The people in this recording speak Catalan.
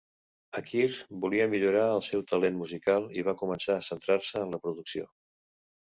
Akir volia millorar el seu talent musical i va començar a centrar-se en la producció.